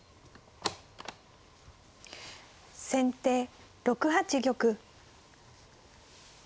先手６八玉。